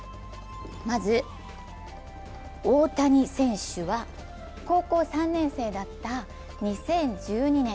まず、大谷選手は高校３年生だった２０１２年